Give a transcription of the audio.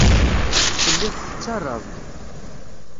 Telliḍ tettarraḍ-d.